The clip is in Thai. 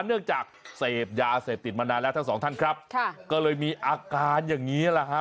เนื่องจากเสพยาเสพติดมานานแล้วทั้งสองท่านครับค่ะก็เลยมีอาการอย่างนี้แหละฮะ